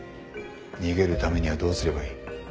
逃げるためにはどうすればいい？